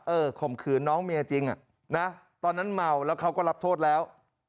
ข่มขืนน้องเมียจริงอ่ะนะตอนนั้นเมาแล้วเขาก็รับโทษแล้ว